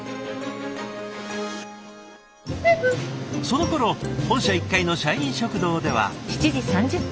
そのころ本社１階の社員食堂では。